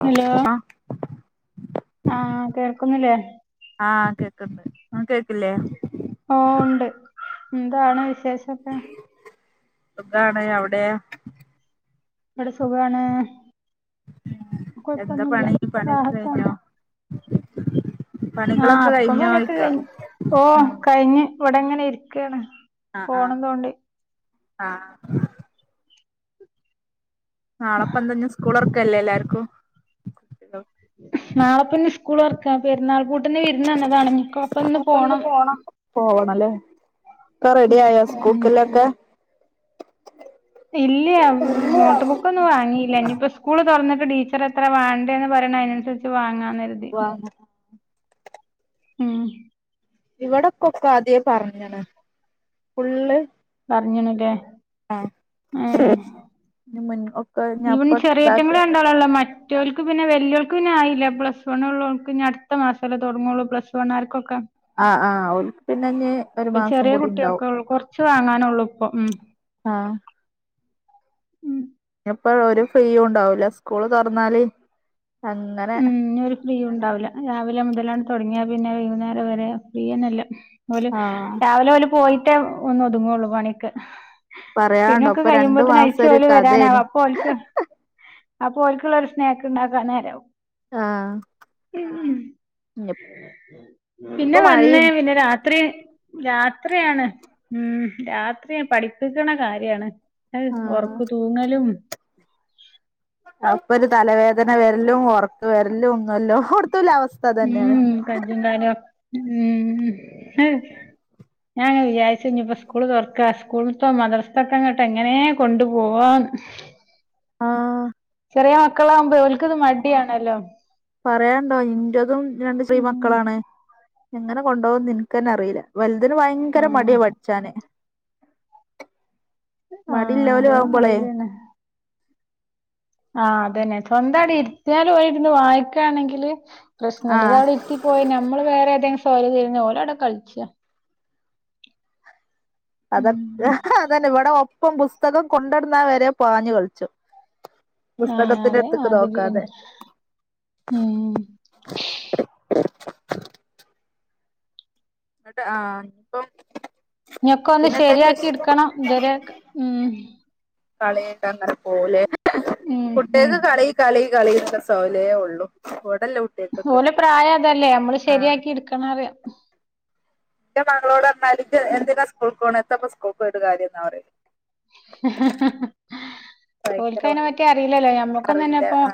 ആ ആ കേൾക്കുന്നില്ലേ. ആ കേക്ക്ണ്ട് ഇങ്ങക്ക് കേക്കില്ലേ ഓ ഇണ്ട് ന്താണ് വിശേഷൊക്കെ. സുഖാണ് അവടയ ഇവടെ സുഖാണ് എന്താ പണി കോഴപ്പൊന്നുല്ല പണിയൊക്കെ റാഹത്താണ് കഴിഞ്ഞോ ആ പണികളൊക്കെ ഇപ്പം പണിയൊക്ക കഴിഞ്ഞോയ്ക്ക കഴിഞ് ഓ ആഹ് കഴിഞ് ഇവടെ ഇങ്ങനെ ഇര്ക്കാണ് അ ആ ആ നാളപ്പ എന്താ ഇഞ് സ്കൂള് തൊർക്കല്ലേ എല്ലാർക്കും നാളപ്പ ഇഞ് സ്കൂള് തൊർക്ക പെര്ന്നാൾ പൂട്ട്ന് വിര്ന്ന് വന്നതാണ് ഞ്ഞിക്കൊപ്പ ഇന്ന് പോണം പോവണലെ ഒക്ക റെഡി ഉം ആയോ ഉം സ്കൂൾക്കില്ലോക്കെ ഇല്ല്യ നോട്ട് ബുക്കൊന്നും വാങ്ങീല്ല ഇഞ്ഞിപ്പോ സ്കൂള് തൊർന്ന്ട്ട് ടീച്ചറെ എത്ര വേണ്ടേ എന്ന് പറയ അതിനനുസരിച്ച് വാങ്ങാ ഹാ മ്മ് ഇവിടക്കൊക്കെ ആധ്യേ പറഞുകുണ് ഫുള്ള് പറഞുകുണ്ല്ലേ ആ ഇവൻ ചെറിയേറ്റങ്ങൾ രണ്ടാളെല്ലോ മ മചോർക്ക് പിന്നെ വെലിയോൾക്ക് പിന്നെയില്ല പ്ലസ് വൺ ഉള്ളവൾക്ക് പിന്നെ അടുത്ത മാസമല്ലേ തുടങ്ങൂള്ളൂ പ്ലസ് വൺ ആർക്ക് ഒക്കെ ആഹ് ആഹ് ഓൽക്ക് പിന്നെ ഇഞ്ഞ് ഒരു മാസം ചെറിയ കൂടി ഇണ്ടാവും കുട്ടിയാൾക്ക് ഉള്ളൂ കുറച്ച് വാങ്ങാനെള്ളു ഇപ്പൊ ഉം ആ ഉം [inaudible] ഇപ്പോ ഒരു ഫ്രീയും ഉണ്ടാവൂല്ല സ്കൂള് തുറന്നാല് അങ്ങനെ ഉം ഇനി ഒരു ഫ്രീ ഉണ്ടാവില്ല രാവിലെ മുതല് തുടങ്ങിയ പിന്നെ വൈകുന്നേരം വരെ ഫ്രീയന്നല്ല ഓൽ ആഹ് രാവിലെ ഓൽ പോയിട്ടേ ഒന്ന് ഒതുങ്ങുള്ളൂ പണിയൊക്കെ പറയാണ്ടോ പിന്നൊക്കെ ഇപ്പൊ രണ്ടു കഴിയുമ്പോത്തിന് മാസം അയിച്ചു ഒരു ഓൽ കഥയാണ് വരാനാവും അപ്പോൽക്ക് അപ്പൊ ഓൽക്കുള്ള ഒരു സ്നേക്ക് ഉണ്ടാക്കാൻ നേരാവും ആഹ് ഉം ഇപ്പൊ പിന്നെ വന്ന് മഴയും പിന്നെ രാത്രി രാത്രിയാണ് ഉം രാത്രി പഠിപ്പിക്ക്ണ കാര്യാണ് ഏഹ് ആഹ് ഉറക്കം തൂങ്ങലും അപ്പൊരു തലവേദന വരലും ഉറക്കം വരലും യെല്ലോടുത്തുള്ള അവസ്ഥ തന്നെയാണ് ഉം കജുൻ കാലോ ഉം അഹ് ഞാൻങ്ങനെ വിചാരിച്ച് ഞ്ഞിപ്പോ സ്കൂള് തുറക്കുക സ്കൂള്ത്തും മദ്രസതും എങ്ങനെ കൊണ്ടു പോവാൻ ആഹ് ചെറിയ മക്കളാാവകുമ്പോ ഓൽക്ക്ത് മടിയാണല്ലോ പറയാണ്ടോ ഇൻ്റതും രണ്ട് ചെറിയ ഉം മക്കളാണ് എങ്ങനെ കൊണ്ടുപോകുന്ന് എനിക്ക് തന്നെ അറിയില്ല വലുതിന് ഭയങ്കര ആഹ് മടിയാണ് പടിച്ചാന് മടി ആഹ് ഉള്ളോല് അതെ അത് ആവുമ്പോളേ തന്നെ ആഹ് അതന്നെ സ്വന്തം അവിടെ ഇര്ത്തിയാൽ പോയിരുന്ന് വായിക്കുകയാണെങ്കില് പ്രശ്നംമല്ല ഇത് ആഹ് അവിടെ ഇര്ത്തി പോയി നമ്മള് വേറെ ഏതെങ്കിലും സ്വഅല് തിരഞ്ഞ ഓൽ അവിടെ കളിച്ചാ അത് ഉം അതന്നെ ഇവിടെ ഒപ്പം പുസ്തകം കൊണ്ടടന്നാ വരെ പാഞ്ഞു കളിച്ചു ആഹ് പുസ്തകത്തിൻ്റെ അതേ എടുത്ത്ക്ക് നോക്കാതെ മാതിരിയന്നെ. ഉം എന്നിട്ട് ആഹ് ഇപ്പം ഇഞ്ഞൊക്കെ ഒന്ന് പിന്നെ എന്തൊക്കെ ശരിയാക്കി ഇട്ക്കണം ഇതുവരെ ഉം കളി കണ്ട് അങ്ങനെ പോകുല്ലേ ഉം ഉം കുട്ടികൾക്ക് കളി കളി കളിന്ന് ഉള്ള സോയലേ ഉള്ളൂ ഓലെ പ്രായം അതല്ലേ നമ്മള് ശരിയാക്കി എടുക്കണം അറിയാം എൻ്റെ മകളോട് പറഞ്ഞാല് എന്തിനാ സ്കൂൾക്കണ് എത്തപ്പോ സ്കൂൾ ക്ക് ഒരു കാര്യം എന്നാ പറയ ഭയങ്കര ഓൽക്ക് അയ്നെ മടിയാ പറ്റി അറിയില്ലല്ലോ ഞമ്മക്കൊന്ന് തന്നെ അറിയില്ല ഇപ്പൊ ആ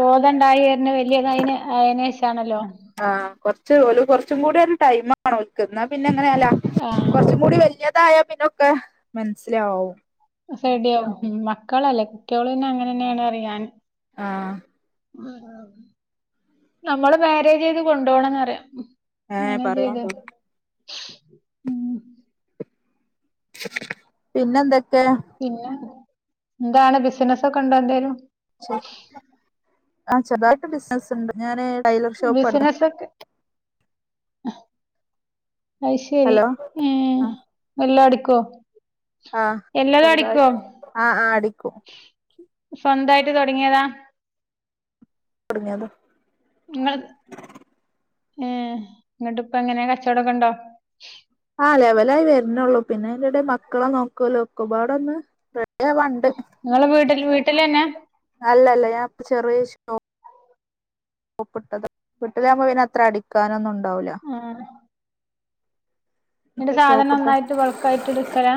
ബോധംണ്ടായി വര വലിയത് അയ്ന് അയ്നേഷം ആണല്ലോ ആഹ് കൊറച്ച് കുറച്ചും കൂടി ഒരു ടൈം ഓൽക്ക് പിന്നെ അങ്ങനെയല്ല ആഹ് കുറച്ചും കൂടി വലിയതായ പിന്നൊക്കെ മനസ്സിലാവും റെഡിയാവും മക്കളല്ലേ കുട്ട്യാൾ തന്നെ അങ്ങനെ തന്നെയാണ് അറിയും ഞാൻ ആഹ് നമ്മള് മാനേജ് ചെയ്ത് കൊണ്ടു പോണംന്ന്റിയം ഏ മാനേജ് ചെയ്തെ പറയാണ്ടോ പിന്നെന്തൊക്കെ പിന്നെ എന്താണ് ബിസിനസ് ഒക്കെ ഉണ്ടോ എന്തേലും ശരി ആഹ് ചെറുതായിട്ട് ബിസിനസ്ണ്ട് ഞാന് ടൈല് ബിസിനെസ് ഒക്കെ അയിശരി ഹലോ ഉം എല്ലാം അടിക്കോ ആഹ് എല്ലതും അടിക്കോ ചെറുതായിട്ട് ആഹ് ആഹ് അടിക്കും സ്വന്തായിട്ട് തുടങ്ങിയതാ തൊടങ്ങിയതാ നിങ്ങള് ഏഹ് ങ്ങട്ട് ഇപ്പം എങ്ങനെയ കച്ചോടൊക്കെ ഉണ്ടോ ആഹ് ലെവലായി വരുന്നേള്ളൂ പിന്നെ അയ്ന്റെടെ മക്കളെ നോക്കലും ഒക്കെപാടൊന്ന് വണ്ട് നിങ്ങള് വീട്ടിൽ വീട്ടിലെന്നെ അല്ലല്ല ഞാൻപ്പം ചെറിയ ഷോ ഒപ്പ്ട്ടത് വീട്ടില് ആകുമ്പോ പിന്നെ അത്ര അടിക്കാനൊന്നുംണ്ടാവില്ല ആഹ് നിന്റെ സാധനം ഷോപ്പിട്ട് നന്നായിട്ട് ബൾക്കായിട്ട് എടുക്കലാ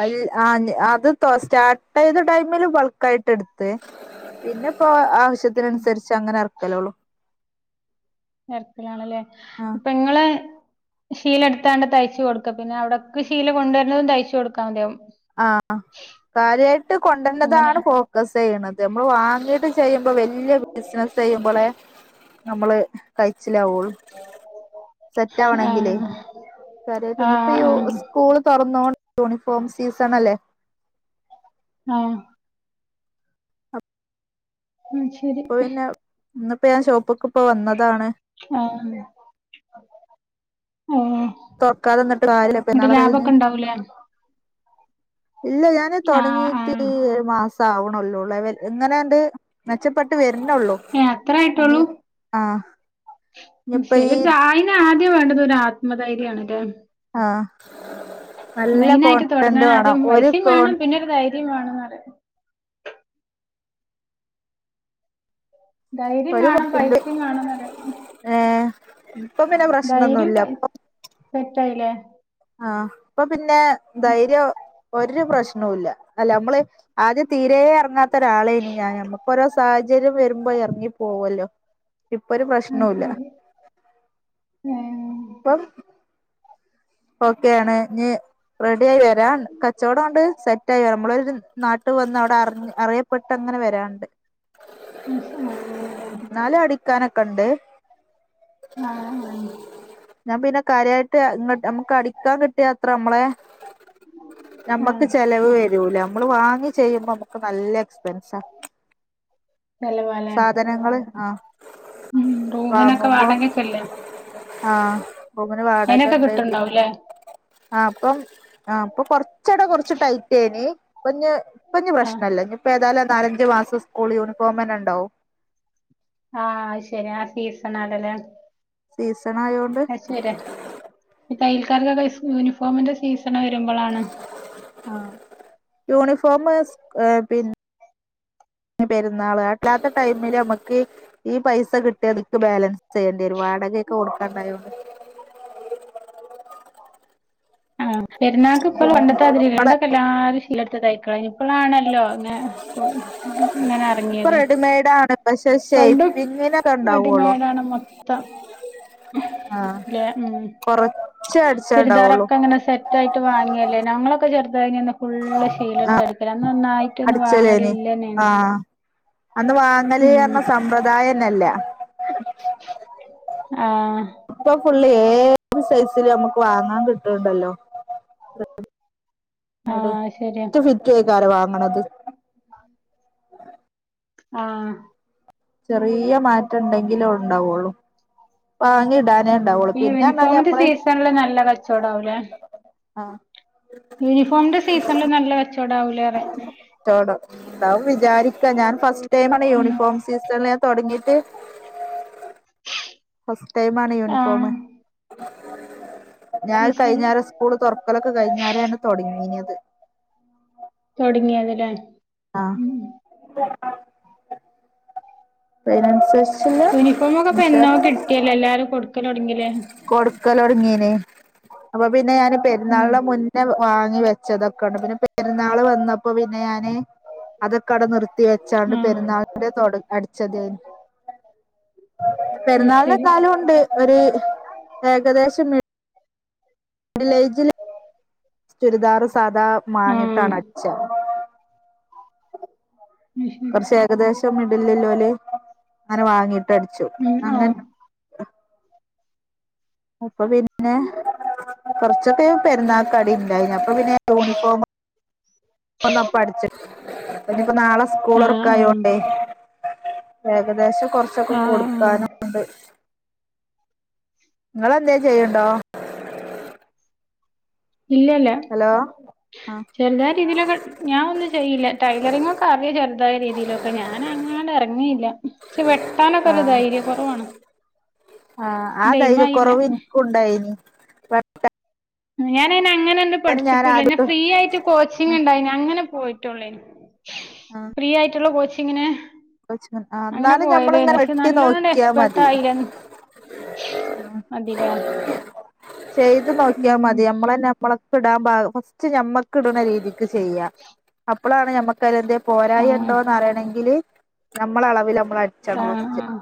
അ ആഹ് അത് സ്റ്റാർട്ട് ചെയ്ത ടൈമില് ബൾക്കായിട്ട് എടുത്ത് പിന്നെപ്പോ ആവശ്യത്തിനനുസരിച്ച് അങ്ങനെ ഇറക്കലോളു എറക്കലാണല്ലേ ഇപ്പൊ നിങ്ങളെ ശീല എടുത്താണ്ട് തയ്ച്ചു കൊടുക്കുക പിന്നെ അവിടക്ക് ശീല കൊണ്ടുവരുന്നതും തയ്ച്ചു കൊടുക്കാൻ മതിയാകും ആഹ് കാര്യായിട്ട് കൊണ്ടര്ണതാണ് അങ്ങനെയാ ഫോ ക്ക സെയ്യണത് നമ്മള് വാങ്ങീയത് ചെയ്യുമ്പോ വല്യ ബിസിനസ് ചെയ്യുമ്പോളെ നമ്മള് കയ്ച്ചിലാകുവുള്ളൂ സെറ്റ് ആവണെങ്കിലേ ആഹ് കാര്യായിട്ട് ഇഞ്ഞിപ്പ യു ആഹ് സ്കൂള് തൊറന്നോ യൂണിഫോം സീസൺ അല്ലേ ആഹ് ഉം ഇപ്പൊ പിന്നെ ഇന്നിപ്പോ ഞാൻ ഷോപ്പ്ക്ക്പ്പോ വന്നതാണ് ആഹ് ഓഹ് തുറക്കാതെ നിന്നിട്ട് കാര്യല്ല ന്നിട്ട് പെരുന്നാള് കഴിഞ്ഞ് ലാഭൊക്കെ ഇണ്ടാവൂലേ ഇല്ല ഞാന് ആഹ് തൊടങ്ങീട്ട് ആഹ് ഏഴ് മാസം ആവണൊള്ളൂളെ വെൽ എങ്ങനെണ്ട് മെച്ചപ്പെട്ട് വര്ണെ ഉള്ളൂ ഏഹ് അത്രേ ആയിട്ടുള്ളൂ ആഹ് ഉം ഇനിയിപ്പ ഈ ശരി ആയിന് ആദ്യം വേണ്ടത് ഒരു ആത്മധൈര്യാണല്ലേ ആഹ് നല്ല മെയിനായിട്ട് കോൺഫിഡന്റ് തുടങ്ങാൻ വേണം ആദ്യം ഒരു പൈസേം കോൺ വേണം പിന്നെരു ധൈര്യോം വേണംന്ന് പറയ ധൈര്യം ഒരു വേണും കോൺഫിഡന്റ് പൈസേം വേണും അന്നേരം ഏഹ് ഇപ്പം പിന്നെ കൊ ധൈര്യോം പൈ സെറ്റായില്ലേ ആഹ് അപ്പൊ പിന്നെ ധൈര്യോം ഒരു പ്രശ്നോവില്ല അല്ല നമ്മള് ആദ്യം തീരെ എറങ്ങാത്ത ഒരാളെന് ഞാന് നമ്മക്കൊരോ സാഹചര്യം വരുമ്പോ എറങ്ങി പോക്വല്ലോ ഇപ്പൊരു അത് പ്രശ്നോ ഇല്ല ശരി ഏഹ് ഇപ്പം ഓക്കെയാണ് ഇഞ്ഞി റെഡിയായി വെരാൻണ്ട് കച്ചോടോണ്ട് സെറ്റ് ആയി നമ്മളൊരു നാട്ട് ട്ട് വന്ന് അവിടെ അറിഞ്ഞ് അവിടെ അറിയപ്പെട്ട് അങ്ങനെ വരാണ്ട് [unintelligible] അങ്ങനെല്ലേ എന്നാലും അടിക്കാനൊക്കെണ്ട് ആഹ് ആഹ് ഞാൻ പിന്നെ കാര്യായിട്ട് ഇങ്ങട്ട് അമ്മക് ക്കടിക്കാൻ കിട്ടിയത്രേ നമ്മളെ നമ്മക്ക് ആഹ് ചെലവ് വെരൂല നമ്മള് വാങ്ങി ചെയ്യുമ്പോ നമ്മക്ക് നല്ല എക്സ്പെൻസാ നല്ല [unintelligible] സാധനങ്ങള് ആഹ് റൂമിനൊക്കെ വാങ്ങുമ്പോ വാടകക്കെല്ലേ ആഹ് റൂമിന് വാടക അയിനൊക്കെ ഇണ്ട് ഇതിന് കിട്ടുണ്ടാവൂല്ലേ ആഹ് ഇപ്പം ആഹ് ഇപ്പം കൊറച്ചെടെ കൊറച്ച് ടൈറ്റേനി ഇപ്പഞ്ഞി ഇപ്പഞ്ഞി ആഹ് പ്രശ്നല്ല ഇനിപ്പ് ഇപ്പേതായാലും നാലഞ്ച് മാസം സ്കൂൾ യൂണിഫോം തന്നെ ഇണ്ടാവും ആഹ് അത് ശരിയാ ആഹ് സീസൺ ആണല്ലേ സീസൺ ആയോണ്ട് അത് ശരിയാ ഈ തയ്യൽക്കാർക്കൊക്കെ സ് യൂണിഫോമിന്റെ സീസണ് വരുമ്പളാണ് ആഹ് യൂണിഫോമ് സ് ക് പിൻ പെരുന്നാള് അല്ലാത്ത ടൈമില് നമ്മക്ക് ഈ പൈസ കിട്ടി അത്ക്ക് ബാലൻസ് ചെയ്യേണ്ടി വരും വാടകെക്കെ കൊടുക്കാണ്ടായോണ്ട് പെരുന്നാക്ക് ഇപ്പള് പണ്ടത്താതിരിയല്ല ഇങ്ങളെ പണ്ടൊക്കെ എല്ലാരും ശീല എട്ത്ത് തയ് കഴിഞ്ഞപ്പളാണല്ലോ ഇങ്ങനെ കൊ ഇങ്ങനെ ഇപ്പൊ എറങ്ങിയത് റെഡിമെയ്ഡ് ആണ് പക്ഷെ പണ്ടും ഷേപ്പിങ്ങിനൊക്കെ ഉണ്ടാവുള്ളു റെഡിമെയ്ഡാണ് മൊത്തം ആഹ് ല്ലെ ഉം കൊറച്ചേ അടിച്ചാണ്ടാവുള്ളു ചുരിദാറൊക്കെ ഇങ്ങനെ സെറ്റ് റ്റായിട്ട് വാങ്ങല്ലേ ഞങ്ങളൊക്കെ ചെറുതായ് [unintelligible] ഫുള്ള് ശീലെടുത്ത് ആഹ് അടിക്കലാ അന്ന് ഒന്നായിട്ടൊന്നും അടിച്ചലേന് വാങ്ങലില്ലന്നെണ് ആഹ് അന്ന് വാങ്ങല് പറഞ്ഞ സമ്പ്രദായന്നെല്ലാ ആഹ് ഇപ്പ ഫുള്ള് ഏത് സൈസിലും നമ്മക്ക് വാങ്ങാൻ കിട്ട്ണ്ടല്ലോ. [unintelligible] ആഹ് ശരിയാ റ്റ് ഫിറ്റ് ആയിക്കാരം വാങ്ങണത് ആഹ് ചെറിയ മാറ്റ ഇണ്ടെങ്കിലെ ഉണ്ടാവുള്ളൂ വാങ്ങിയെട് ഉം ഈ യൂണിഫോമിന്റെ സീസണില് നല്ല കച്ചോടാവൂല്ലെ. ആഹ് യൂണിഫോമിന്റെ സീസണില് നല്ല കച്ചോടം ആവൂലേ പറയാ. കച്ചോടം ഇണ്ടാവും വിചാരിക്കാ ഞാൻ ഫസ്റ്റ് ടൈമാണ് ഉം യൂണിഫോം സീസണില് ഞാൻ തൊടങ്ങിട്ട് ഫസ്റ്റ് ടൈമാണ് യൂണിഫോമ് ആഹ് ഞാൻ അത് കഴിഞ്ഞാരെ സ് സ്കൂള് തൊറക്കലൊക്കെ കഴിഞ്ഞേരെയാണ് തൊടങ്ങീനിയത്. തൊടങ്ങിയത് ലേ. ആഹ് അപ്പ അയിനനുസരിച്ച്ള്ള യൂണിഫോമൊക്കെ ഇപ്പ എന്നോ വിശ്വാസണ്ട് എല്ലാരും കൊടുക്കലൊടെങ്ങീലേ കൊടുക്കലൊടുങ്ങീന് അപ്പൊ പിന്നെ ഞാന് ഉം പെരുന്നാളിന് മുന്നേ വാങ്ങി വെച്ച് വെച്ചതക്കെണ്ട് പിന്നെ പെരുന്നാള് വന്നപ്പോ പിന്നെ ഞാന് അതൊക്കെ ആടെ നിർത്തി വെ ച്ചാണ്ട് ആഹ് പെരുന്നാളിന്റെ തൊട് അടിച്ചതെനി അത് പെരുന്നാളിന് ശരി എന്നാലുണ്ട് ഒരു ഏകദേശം വില്ലേജിൽ ചുരിദാർ സാധാ ആഹ് മാങ്ങിയിട്ടാണ്. അത് ശരി [unintelligible] ഏകദേശം മിഡിലില്ലോല് അങ്ങനെ വാങ്ങിട്ട് അടിച്ചു ഉം അങ്ങ. ആഹ് അപ്പൊ പിന്നെ കൊറച്ചൊക്കെ പെരുന്നാൾക്കടിണ്ടായി അപ്പോ പിന്നെ യൂണിഫോമ്. [inaudible] ഒന്നപ്പ അടിച്ചിനിപ്പോ നാളെ സ്കൂള് ആഹ് തൊർക്ക ആഹ് ആയോണ്ടെ ഏകദേശം കൊറച്ചൊക്കെ ആഹ് ആഹ് ആഹ് കൊടുക്കാനും. ണ്ട് നിങ്ങെളെന്ത ചെയ്യണ്ടോ? ഇല്ലല്ല ഹലോ ആ ചെറുതായ രീതിയിലൊക്കെ ഞാൻ ഒന്നും ചെയ്യില്ല ടൈലറിംഗ് ഒക്കെ അറിയോ ചെറുതായ രീതിയില്. അപ്പ ഞാൻ അങ്ങാട് ഇറങ്ങിയില്ല പക്ഷെ വെട്ടാനൊക്കെ ഒരു ധൈര്യം കുറവാണ് ആഹ ആ ധൈര്യകുറവ് ഇക്കും ഉണ്ടായിന്. ഞാനെഅങ്ങനെ ഒന്നും ഞാൻ പഠിച്ചിട്ടൂല്ല ഞൻ ആദ്യട്ട് ഫ്രീ ആയിട്ട് കോച്ചിങ് ഉണ്ടായി അങ്ങനെ പോയിട്ടുള്ളൂയിന്. ആ ഫ്രീ ആയിട്ടുള്ള കോച്ചിങ്ങിന്. ആ അങ്ങനെ എന്നാലും ഞമ്മളിങ്ങനെ വെട്ടി നോക്കിയാ മതി മതിലെ ചെയ്ത് നോക്കിയാൽ മതി നമ്മളെന്നെ നമ്മളക്ക് ഇടാൻ ഫസ്റ്റ് ഞമ്മക്ക് ഇടുന്ന രീതില്. ചെയ്യാം അപ്പോഴാണ് ഞമ്മക്കഅത് പോരായ ആഹ് ഉണ്ടോന്ന് അറിയണങ്കില്. നമ്മള അളവില് നമ്മള ആഹ് ആഹ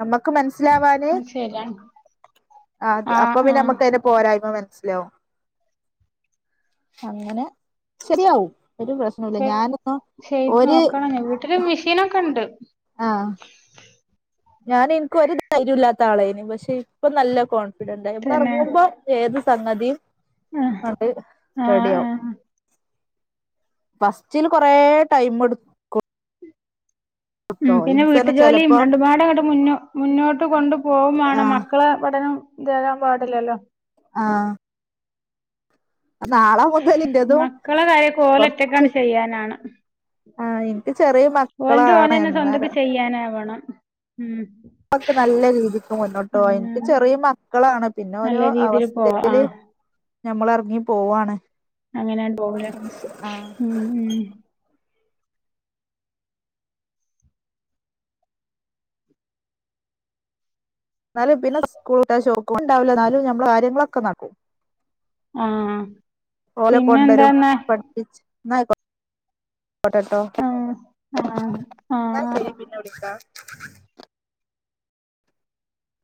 നമ്മുക്ക് മനസിലാവാാന് അത് ശരിയാണ് ആ ആഹ് അപ്പൊ പിന്നെ ആഹ് നമുക്ക്. പോരായ്മ മനസ്സിലാവും. അങ്ങനെ ശരിയാവും ഒരു പ്രശ്നല്ല ഞാനൊന്നപ്പം ഒരു. എനിക്ക്രു മെഷീനൊക്കെണ്ട്. ആഹ ഞാൻ എനിക്ക് ഒരു ധൈര്യല്ലാത്ത ആളായിന് പക്ഷെ ഇപ്പൊ നല്ല കോൺഫിഡന്റ് ആയി നമ്മള് പിന്നെ ഇറങ്ങുമ്പോ. ഏത് സംഗതിയും ആഹ് അത് ആഹ് റെഡിയാവും. ആഹ് ഫസ്റ്റില് കൊറേ ടൈം എടുത്തു.. ഉം പിന്നെ ഇൻക്ക് തന്നെ വീട്ടുജോലിയും ചെലപ്പോ രണ്ടുപാട് അങ്ങോട്ട് മുന്നോ മുന്നോട്ട് കൊണ്ടു പോകുമാണം ആഹ് മക്കളെ പഠനം. രാൻ പാടില്ലല്ലോ ആഹ നാളെ മുതലിന്റതും മക്കളെ കാര്യ കൊറച്ച് ഓലറ്റക്കാണ്ട് ചെയ്യാനാവണം ആഹ് എനിക്ക് ചെറിയ മക്ക ഓലതു പോഓലെന്നെ സ്വന്തക്ക ചെയ്യാനാവണം ഉ നല്ല രീതിക്ക് മുന്നോട്ട് പോവാ എനിക്ക് ചെറിയ മക്കളാണ് പിന്നെ ഓരോ നല്ല രീതില് പോവാ അവസ്ഥയില് ആഹ് ഞമ്മള് ഇറങ്ങി പോവാണ് അങ്ങനെയ പോവണ് ആഹ് ഉ ഉ എന്നാലും പിന്നെ സ്കൂളഷോണ്ടാവില്ല എന്നാലും നമ്മള് കാര്യങ്ങളൊക്കെ നടക്കും ആഹ് ഓലെ കൊണ്ടരും പിന്നെന്താന്നാ പഠിപ്പിച്ചും എന്നാ അ യ് എന്നാ ആഹ് ആഹ് ആഹ് ശരി പിന്നെ വിളിക്കാം